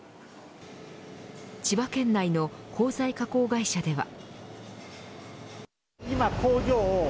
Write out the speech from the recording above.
千葉県内の鋼材加工会社では。